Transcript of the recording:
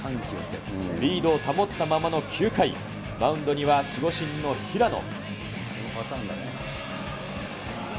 リードを保ったままの９回、マウンドには守護神の平野。